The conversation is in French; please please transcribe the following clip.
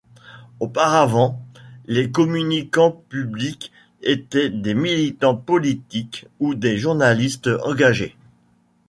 Auparavant, les communicants publics étaient des militants politiques ou des journalistes engagés.